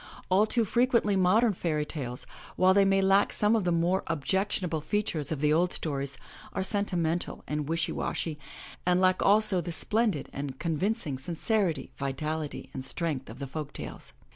All too frequently modem fairy tales, while they may lack some of the more objectionable features of the old stories, are sentimental and wishy washy, and lack also all the splendid and convincing sincerity, vitality and strength of the folk tales.